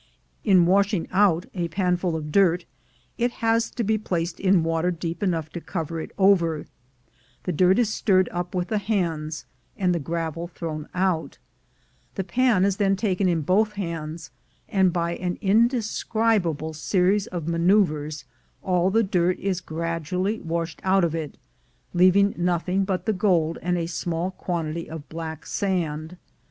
In washing out a panful of dirt, it has to be placed in water deep enough to cover it over; the dirt is stirred LOOKING FOR GOLD 125 up with the hands, and the gravel thrown out; the pan is then taken in both hands, and by an indescrib able series of maneuvers all the dirt is gradually washed out of it, leaving nothing but the gold and a small quantity of black sand.